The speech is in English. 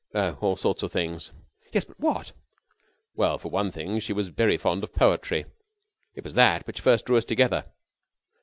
"Oh, all sorts of things." "Yes, but what?" "Well, for one thing she was very fond of poetry. It was that which first drew us together."